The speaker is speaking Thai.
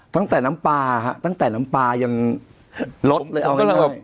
ตั้งแต่น้ำปลาตั้งแต่น้ำปลายังลดเลยเอาง่าย